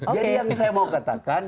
jadi yang saya mau katakan